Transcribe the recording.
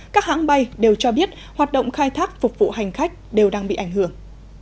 các hãng bay đều cho biết hoạt động khai thác phục vụ hành khách đều đang bị ảnh hưởng